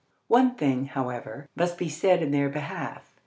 One thing, however, must be said in their behalf.